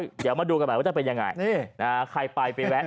เดี๋ยวมาดูกันหน่อยว่าจะเป็นยังไงใครไปไปแวะ